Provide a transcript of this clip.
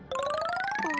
あ。